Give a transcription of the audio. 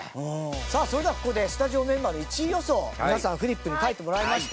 さあそれではここでスタジオメンバーの１位予想皆さんフリップに書いてもらいました。